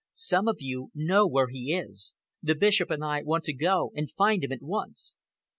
Some of you know where he is. The Bishop and I want to go and find him at once."